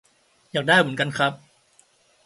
อยากได้เหมือนกันครับ